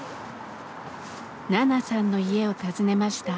ナナさんの家を訪ねました。